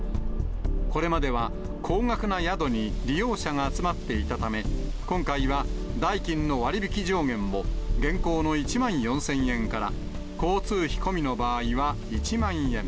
これまでは高額な宿に利用者が集まっていたため、今回は代金の割引上限を、現行の１万４０００円から交通費込みの場合は１万円。